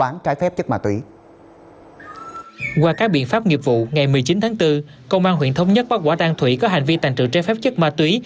ngày một mươi chín tháng bốn công an huyện thống nhất bắt quả tăng thủy có hành vi tàn trự trái phép chất ma túy